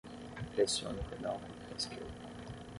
Pressione o pedal com o pé esquerdo.